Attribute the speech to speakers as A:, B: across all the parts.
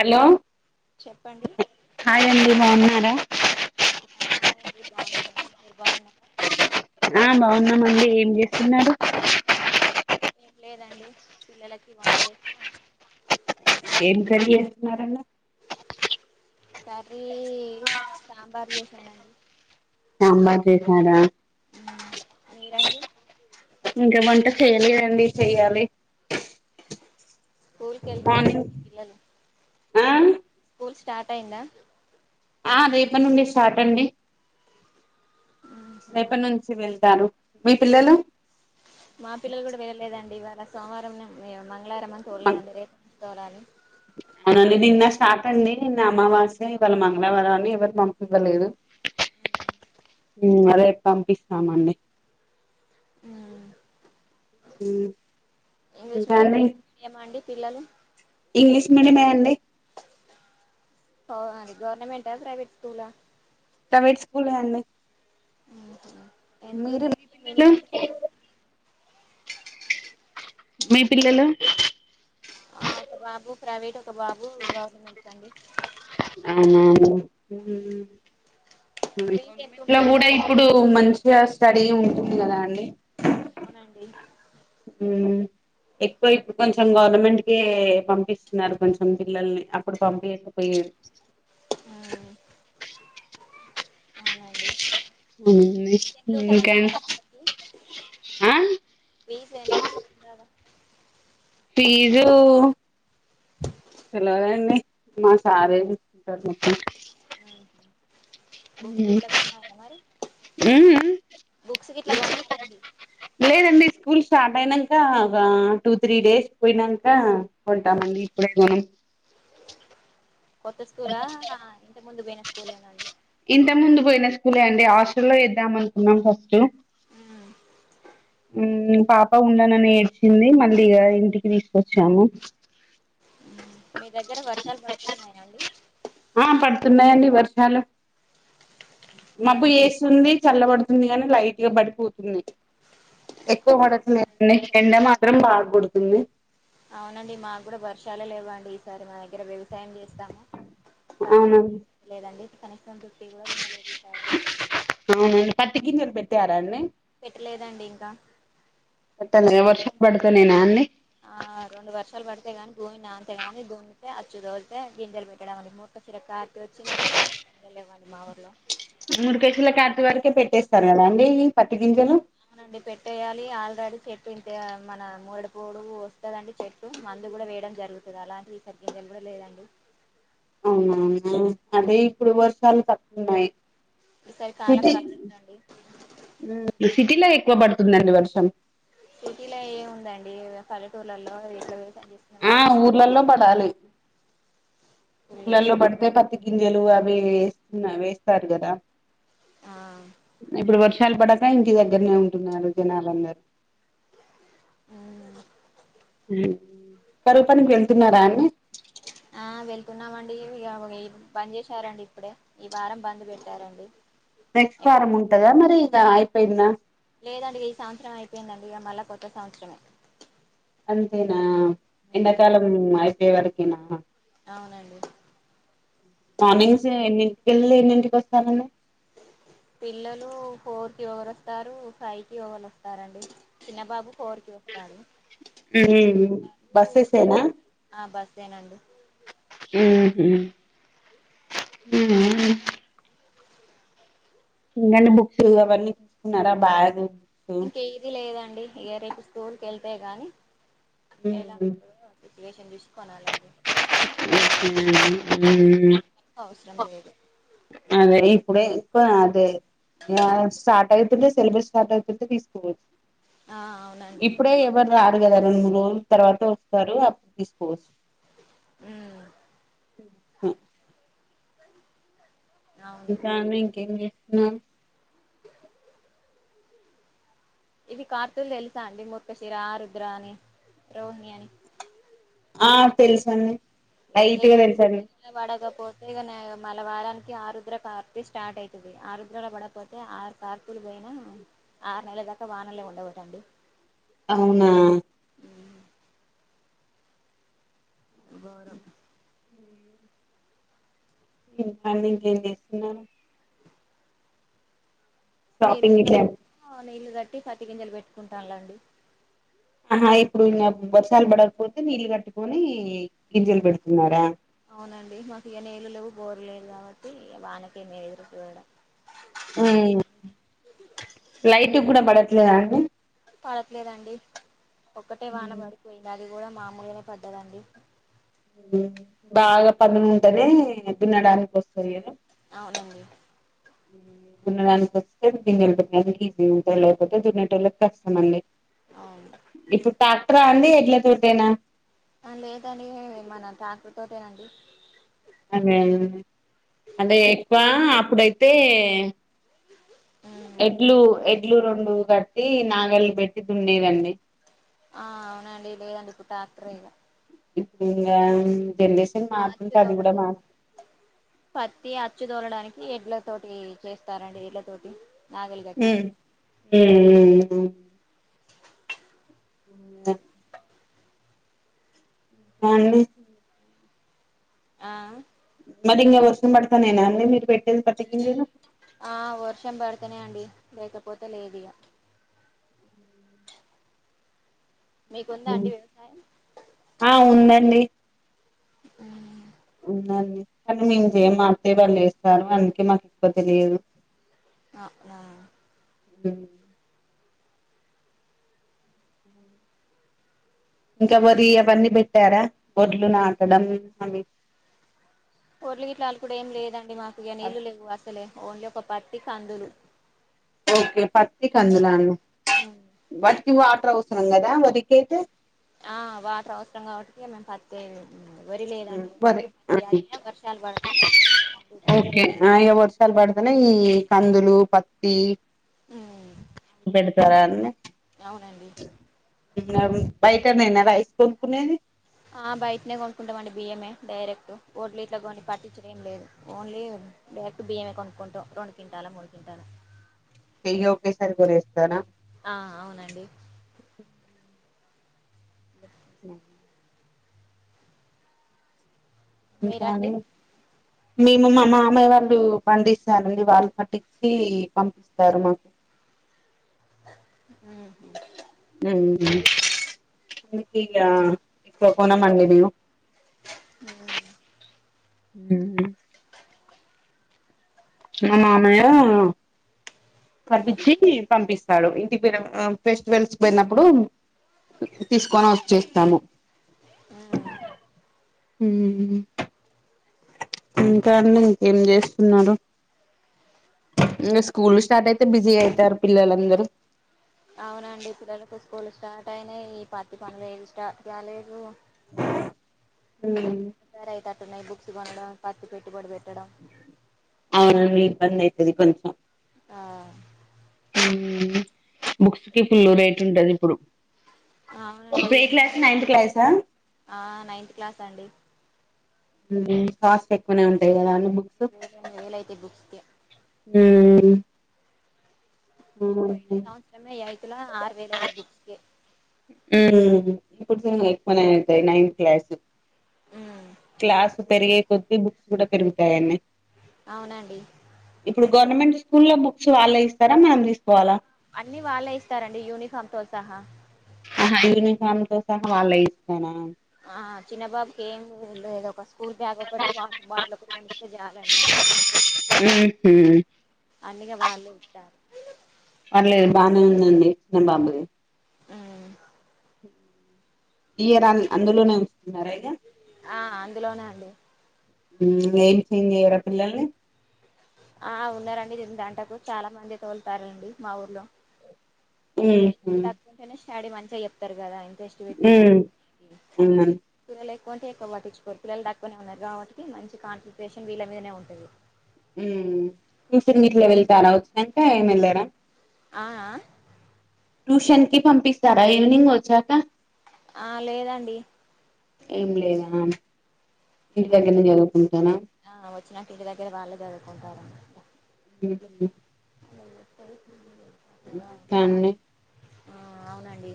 A: Hello
B: చెప్పండి
A: hi అండి బాగున్నారా
B: హాయ్ అండి బాగున్నామండి మీరు బాగున్నారా
A: ఆ బాగున్నామండి ఏం చేస్తున్నారు
B: ఏం లేదండి పిల్లలకి వంట చేసినా
A: ఏం కర్రీ చేస్తున్నారు అండి
B: కర్రీ సాంబార్ చేసానండి
A: సాంబార్ చేశారా
B: మ్ మీరండి
A: ఇంక వంట చెయ్యలేదండి చెయ్యాలి
B: స్కూల్ క వెళ్తున్నారండి
A: మార్నింగ్
B: పిల్లలు
A: ఆ
B: స్కూల్ స్టార్ట్ అయిందా
A: ఆ రేపటి నుండి స్టార్ట్ అండి రేపటి నుంచి వెళ్తారు మీ పిల్లలు
B: మా పిల్లలు కూడా వెళ్ళలేదండి ఇవాళ సోమవారం మంగళవారం అని చూడలేదండి రేపు తోలాలి
A: అవునండి నిన్న స్టార్ట్ అండి నిన్న అమావాస్య ఇవాళ మంగళవారం అని ఎవరు పంపివ్వలేదు మ్ రేపు పంపిస్తామండి మ్
B: ఇంగ్లీష్ మీడియం ఏమ అండి పిల్లలు
A: ఇంగ్లిష్ మీడియమే అండి
B: ఆ అది గవర్నమెంట ప్రైవేట్ స్కూలా
A: ప్రైవేట్ స్కూలే అండి
B: ఊహు ఎంత
A: మీరు మీ
B: ఉంటాదండి
A: పిల్లలు
B: మినిమం ఫీజ్
A: మీ పిల్లలు
B: ఆ ఒక బాబు ప్రైవేట్ ఒక బాబు గవర్నమెంట్ అండి
A: అవునవును మ్
B: ఫీజు ఎంత
A: గవర్నమెంట్ లో
B: ఉంటదండి
A: కూడా ఇప్పుడు మంచిగా స్టడీ ఉంటుంది కదా అండి
B: అవునండి
A: మ్ ఎక్కువ ఇప్పుడు కొంచెం గవర్నమెంట్ కే పంపిస్తున్నారు కొంచెం పిల్లల్ని అప్పుడు పంపయకపోయ
B: మ్ అవునండి ఫీజు ఎంత ఉంటదండి
A: [unintelligible] ఆ
B: వీజ్ ఎంత ఉంటుందండి ఆడ
A: పీజు తేలవదండి మా సారే చూసుకుంటారు మొత్తం
B: ఉమ్ బుక్స్ గిట్ల కొన్నారా మరి బుక్స్ గిట్ల కొన్నరండి
A: లేదండి స్కూల్ స్టార్ట్ అయినాక ఒక టూ త్రీ డేస్ పోయినాక కొంటామండి ఇప్పుడై
B: కొత్త స్కూలా ఆ ఇంత ముందు పోయిన స్కూలేనాండి
A: ఇంత ముందు పోయిన స్కూలే అండి హాస్టల్లో లో ఎద్దాం అనుకున్నాం ఫస్ట్ ఉమ్ పాప ఉండనని ఏడ్చింది మళ్ళీ ఇగ ఇంటికి తీసుకొచ్చాము
B: మీ దగ్గర వర్షాలు పడుతున్నాయా అండి
A: ఆ పడుతున్నాయండి వర్షాలు
B: మా
A: మబ్బు
B: దగ్గర
A: యేస్తుంది చల్లబడుతుంది గాని లైట్ గా పడిపోతుంది ఎక్కువ పడుతుంది న ఎండ మాత్రం బా కొడుతుంది
B: అవునండి మాకు కూడా వర్షాలే లేవ అండి ఈసారి మా దగ్గర వ్యవసాయం చేస్తాము పటి
A: అవునండి
B: లేదండి కనీసం దుటి కూడా దున్నలేదు ఈ సారి
A: అవున పట్టిగింజలు పెట్టారా అండి
B: పెట్టలేదండి ఇంకా
A: గట్టా వర్షా పడుతు నే నా అన్ని
B: ఆ రెండు వర్షాలు పడితేగాని భూమి నాంతేగాని గూతే అచ్చుదోలితే గింజెలు పెట్టడం అనేది క్క చిర కటీ వచ్చి ఎంతవరకు [unintelligible] మా ఊర్లో
A: మూడు కేసుల కచ వరకే పెట్టేస్తారు కదా అండి ఈ పత్తి గింజలు
B: అవునండి పెట్టటెయాలి ఆల్రెడీ చెట్టు ఇంత మన మూడి పోడు వస్తదండి చెట్ ట్టు మందు కూడా వేయడం జరుగుతుంది అలాంటివి సగందలు కూడా లేదండి
A: అవునవునా అదే ఇప్పుడు వర్షాలు తక్కున్నాయి
B: ఈసరి కాలం కాదంట అండి
A: ఉమ్ ఈ సిటీలో ఎక్కువ పడుతుందండి వర్షం
B: సిటీలో ఏ ఉందండి పల్లెటూర్లలో ఇట్లా వ్యవసాయం చెస్
A: ఆ ఊర్లలో పడాలి
B: ఫుల్లు
A: ఊర్లల్లో
B: ఎండలు
A: పడితే పత్తి గింజలు అవి ఇవి వేస్తున్నా వేస్తారు కదా
B: ఆ
A: ఇప్పుడు వర్షాలు పడక ఇంటి దగ్గరనే ఉంటున్నారు జనాలందరూ
B: ఉహ్మ్
A: ఉమ్ కరువు పనికి వెళ్తున్నారా అండి
B: ఆ వెళ్తున్నామండి ఇవ్ ఇగ ఒక బంజేస్నరండి ఇప్పుడే ఈ వారం బంద్ పెట్టారండి
A: నెక్స్ట్ వారం ఉంటందా మరి ఇక అయిపోయిందా
B: లేదండి ఈ సంవత్సరం అయిపోయిందండి ఇక మళ్ళీ కొత్త సంవత్సరమే
A: అంతేనా ఎండాకాలం అయిపోయే వరకేనా
B: అవునండి ఇగ
A: మార్నింగ్స్ ఎన్నింటికి వెళ్ళి ఎన్నింటికి వస్తారండి
B: పిల్లలు ఫోర్ కి ఓగరు వస్తారు ఫైవ్ కి ఒక్కలు వస్తారండి చిన్న బాబు ఫోర్కి వస్తడు
A: మరి బస్సెస్ ఏ నా
B: కి ఆ బస్ ఏ నండి
A: ఉమ్ హు ఉమ్ హా ఎకడి [unintelligible] బుక్స్ అవన్నీ తీసుకున్నారా బ్యాగు
B: ఇంక ఏది లేదండి ఇగా రేపు స్కూల్కి వెళ్తే గానీ ఎలా
A: ఉమ్
B: ఉందో అ రేషన్ తీసుకోనీ వేలండి అవసరం లేదు
A: [inaudible] అదే ఇప్పుడే అదే స్టార్ట్ అవుతుంటే సిలబస్ స్టార్ట్ అవుతుంటే తీసుకోవచ్చు
B: ఆ అవునండి
A: ఇప్పుడే ఎవరి రారు కదా రెండు మూడు రోజుల తర్వాత వస్తారు అప్పుడు తీసుకోవచ్చు
B: ఉమ్
A: స [inaudible]
B: [inaudible]
A: ఇంకను ఏం చేస్తున్నావు
B: ఇవి కార్తూలు తెలుసా అండి మూర్ఖశిర ఆరుద్ర అని రోహిణి అని
A: ఆ తెలుసండి
B: ఇక
A: లైట్గా తెలుసండి
B: పడకపోతే ఇ మల్లా వారానికి ఆరుద్ర కార్తి స్టార్ట్ అయితాది ఆరుద్రలో పడకపోతే ఆ కార్తులు పోయినా ఆరు నెలల దాకా వానలే ఉండవట
A: అవునా
B: ఉమ్ ఘోరం
A: ఇంకండి ఏం చేస్తున్నారు
B: [inaudible] నీ
A: షాపింగ్ ఇట్లా
B: నీళ్లు కట్టి పత్తి గింజలు పెట్టుకుంటా మండి
A: ఆహా ఇప్పుడు ఇ వర్షాలు పడకపోతే నీళ్లు కట్టుకొని గింజలు పెడుతున్నారా
B: అవునండి మాకు ఇక నీళ్ళు లేవు బోరు లేదు కాబట్టి ఇక వానకే న ఎదురు చూడడం
A: హమ్ లైట్ కూడా పడట్లేద అండి
B: పడతలేదండి ఒక్కటే వాన పడిపోయింది అది కూడా మామూలుగానే పద్దదండి
A: బాగా పనులు ఉంటనే తినడానికి వస్తాది
B: అవునవను
A: అ [inaudible] దున్నడానికి వస్తే దిన్న వెళ్ళింది ఈజీ ఉంటా లేకపోతే దున్నట వాళ్ళకి కష్టం అంీ [unintelligible]
B: అవును
A: ఇప్పుడు ట్రాక్టర్ ఆ అండి ఎడ్ల తోటేనా
B: ఆ లేదండి మన ట్రాక్టర్ తోటేనండి
A: అదే అంటే ఎక్కువ అప్పుడైతే
B: ఉమ్.
A: ఎడ్లు ఎడ్లు రెండు కట్టి నాగలు పెట్టి దుండేదండి
B: ఆ అవునండి లేదండి ఇప్పుడు ట్రాక్టర్ ఏ
A: ఇప్పుడు ఇంకా [unintelligible]
B: కాచ్చ దర [unintelligible] పత్తి అచ్చు తోలడానికి ఎడ్ల తోటి చేస్తారండి ఎడ్ల తోటి నాగలి కట్టి
A: ఆమ్ ఆమ్ హా అ [unintelligible] అవునండి
B: ఆ
A: మరీ ఇంక వర్షం పడతనేనా అండి మీరు పెట్టేది పత్తి గింజలు
B: ఆ వర్షం పడితనే అండి లేకపోతే లేదు
A: అవు [inaudible]
B: మీకుందా అండి వ్యవసాయం
A: ఆ ఉందండి
B: అవు
A: ఉందండి కానీ మేంత ఏం మార్తే వాళ్ళు వస్తారు అందుకే మాకు ఎక్కువ తెలియదు
B: ఆ
A: అ అ ఇంకా మరి అవన్నీ పెట్టారా గొడ్లు నాటడం అవి
B: పర్లి గట్లు కూడా ఏం లేదండి మాకు ఇక నీళ్ళు లేవు అసలే ఓన్లీ ఒక పత్తి కందులు
A: ఓకే పత్తి కందులాలు వాటికి వాటర్ అవసరం కదా వరికి అయితే
B: ఆ వాటర్ అవసరం కాబట్టి మేము ప వరి లేదండి
A: వరి
B: ప అది వర్షాలు పడితేనే పండుద్ది
A: [unintelligible] వర్షాలు పడుతున్నా ఈ కందులు పత్తి
B: హ్మ్
A: పెడతారా అన్నీ
B: అవునండి
A: బిరియాని బయట నేనా రైస్ కొనుక్కునేది
B: బయటనే కొనుక్కుంటామండి బియ్యమే డైరెక్ట్ ఓట్లీ ఇట్లా కొని పట్టించడం లేదు ఓన్లీ డైరెక్ట్ బియ్యమే కొనుక్కుంటాం రెండు కింటాలో మూడు కింటాలో
A: నెయ్యి ఒకేసారి కొనేసుకోనా
B: ఆ అవునండి బ
A: హ్మ్ ఇంకాను
B: మీరండి
A: మేము మా మామయ్య వాళ్ళు పండిస్తారండి వాళ్ళు పట్టించి పంపిస్తారు మాకు
B: హ్మ్
A: [unintelligible] ఎక్కువ కొనం అండి మేము
B: హ్మ్
A: హ్మ్ మా మామయ్యా
B: ఉ
A: పంపించి పంపిస్తాడు ఇంటికి ఫెస్టివల్స్ పోయినప్పుడు తీసుకొని వచ్చేస్తాను
B: హ్మ్
A: హ్మ్ ఇంకాండి ఇంకేం చేస్తున్నారు ఇగ స్కూల్ స్టార్ట్ అయితే బిజీ అవుతారు పిల్లలందరూ
B: అవునండి పిల్లలకు స్కూల్ స్టార్ట్ అయినాయి ఈ పత్తి పనులు ఏవి స్టార్ట్ కాలేదు యితే అటన్నా బుక్స్ కొనడం పత్తి పెట్టుబడి [inaudible]
A: అయన్ని ఇబ్బంది అయితది కొంచెం
B: ఆ
A: హ్మ్ బుక్స్ కి ఫుల్లు రేట్ ఉంటది ఇప్పుడు ఇప్పు ఏ క్లాస్ నైన్త్ క్లాసా
B: ఆనైన్త్ క్లాస్ అండి
A: కాస్ట్ ఎక్కువనే ఉంటాయి కదా అండి బుక్స్
B: వ వేలైతే బుక్స్ కే
A: హ్మ్
B: పో సంవత్సరమే ఏఐతుల ఆరు వేలయినయ్ బుక్స్ కే
A: ఊమ్ ఇప్పుడు సు ఎక్కువనే అయితయ్ నైన్త్ క్లాస్
B: ఉమ్
A: క్లాస్ పెరిగే కొద్ద్దీ బుక్స్ కూడా పెరుగుతాయనన్నే
B: అవునండి
A: ఇప్పుడు గవర్నమెంట్ స్కూల్ల బు క్స్ వాళ్లే ఇస్తారా మనం తీసుకోవాలా
B: అన్ని వాళ్ళే ఇస్తారండి యూనిఫామ్ తో సహా
A: అహ యూనిఫామ్ తో సహా వాళ్ళే ఇస్తానా
B: ఆ చిన్నబాబుక్ ఏం లేద్ ఒకస్ కూల్ బ్యాగ్ ఒకటి వాటర్ బాటిల్ ఒకటి కొనిస్తె జాలండి అన్నీగా వాళ్ళే ఇస్తార్
A: పర్లేదు బానే ఉందండి అన్ బాబు
B: ఊమ్
A: ఈయర్ అన్ అందులోనే ఉస్తున్నారీగా
B: ఆ అందులోనే అండి
A: ఉమ్ ఏమ్ చేంజ్ చెయ్యరా పిల్లల్ని
B: ఆ ఉన్నారండి దీన్ దాంటకు చాలా మందే తోలుతారండి మా ఊర్లో
A: మ్హ్
B: సీ దక్కుంటేనే స్టడీ మంచిగా చెప్తారు కదా ఇంట్రెస్ట్ వెట్టి వాల్
A: మ్
B: ని
A: అవునండి
B: పిల్లలు ఎక్కుంటే ఎకువ పటిచ్చుకోరు పిలల్ దక్కువనే ఉన్నారు గావటికి మంచి కాన్సన్ంట్రేషన్ వీళ మీదనే ఉంటది
A: ఊమ్ ట్యూషన్ గిట్లా వెళ్తారా ఒచ్చినంక ఏం ఎళ్లారా
B: ఆ అ
A: ట్యూషన్ కి పంపిస్తారా ఈవినింగ్ ఒచ్చాక
B: ఆ లేదండి
A: ఏం లేదా ఇంటి దగ్గరనె జదువుకుంటారా
B: ఆ ఒచ్చినాక్ ఇంటి దగ్గర వాళ్ళే జదువుకుంటారన్ మాట
A: ఉ హు
B: అలా సర
A: ఉ కన్నీ
B: ఆ అవునండి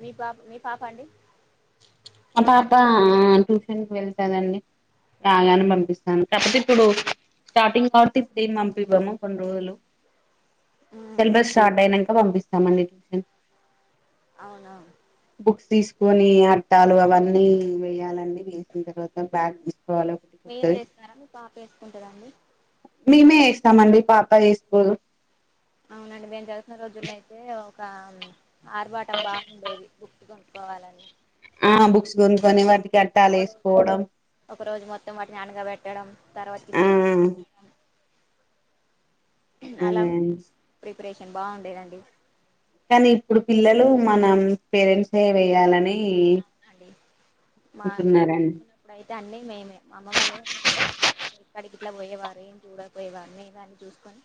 B: మీ పాప్ మీ పాపండి
A: మా పాప ఆ ట్యూషన్కి వెళ్తదండి రాగానే పంపిస్తాను కాపోత్ ఇప్పుడు స్టాపింగ్ కావటి సీం పంపివమ్ము కొన్ని రోజులు సిలబస్ స్టార్ట్ అయినంక వంపిస్తామండి
B: అవున
A: బుక్స్ తీసుకొని అట్ ట్టాలు అవన్నీ వేయాలని వేసిన తర్వాత బ్యాగ్ తీసుకోవాలే
B: మీరే ఏస్తారా మీ పాపేసుకుంటదాండి
A: మేమే ఏస్తామండి పాప ఏస్కోదు
B: అవునండి మేము జరుతున రోజుల్లయితే ఒకా ఆర్బాటం బాగుండేది బుక్కు కొనుక్కోవాలని
A: ఆ
B: అట్
A: బుక్స్ గొన్ కొనే వాటి
B: ఒక రోజ్ ఒక రోజు మొత్తం వాటిని అన్గా వెట్టడం
A: ఆ
B: తర్వాతిప్పిన్ అం అలా
A: అదే అండి.
B: ప్రిపరేషన్ బావుండేదండి
A: కనీ ఇప్పుడు పిల్లలు మనం పేరెంట్స్ మే వెయ్యాలని
B: అవ్ నండి మా ఏమ
A: ఉంటున్నారండి
B: కళ్తున్నప్పుడుయితే అన్నీ మేమే మా అమ్మ వాళ్ళే ఉంటుంది పోయ్ క్కడికిట్లా పోయేవారు ఏం చూడకపోయేవారు మేమే అన్ని చూసుకొని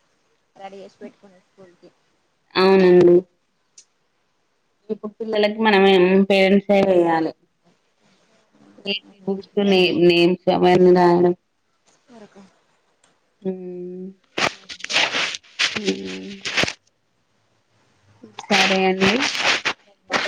B: రడీ ఏష్ పెట్టుకున్నా స్కూల్కి.
A: అవునండి. ఇప్పుడు పిల్లలకి మనం ఏం పేరెంట్స్ ఏయాలే. ఏజీ బుక్స్ తోనే నేమ్స్ అవన్ని రాయడం.
B: వరకా
A: రీ వి హ్ సరే అండి.
B: సరేండి.